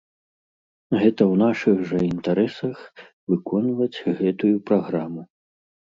Гэта ў нашых жа інтарэсах выконваць гэтую праграму.